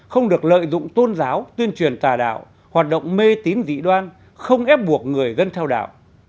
không được lợi dụng tôn giáo tuyên truyền tà đạo hoạt động mê tín dị đoan không ép buộc người dân theo đạo